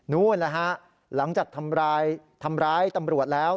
นู้นล่ะฮะหลังจากทำร้ายตำรวจแล้ว